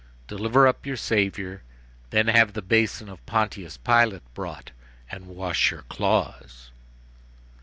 Deliver up your savior. Then have the basin of Pontius Pilate brought and wash your claws."